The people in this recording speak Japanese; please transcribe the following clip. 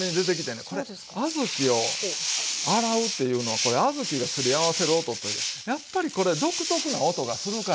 これ小豆を洗うっていうのはこれ小豆がすり合わせる音というやっぱりこれ独特な音がするからね。